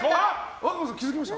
和歌子さん気づきました？